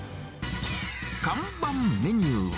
看板メニューは。